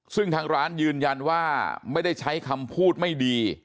ซึ่งทางร้านยืนยันว่าไม่ได้ใช้คำพูดไม่ดี